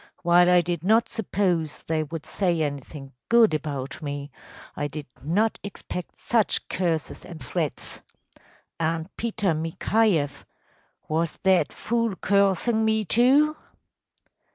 While I did not suppose they would say anything good about me, I did not expect such curses and threats. And Peter Mikhayeff‚ÄĒwas that fool cursing me too?